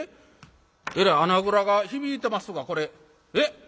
えらい穴蔵が響いてますがこれえっ？